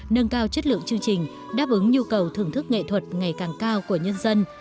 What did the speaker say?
nâng cao chất lượng chương trình đáp ứng nhu cầu thưởng thức nghệ thuật ngày càng cao của nhân dân